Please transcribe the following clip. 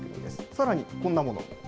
さらにこんなもの。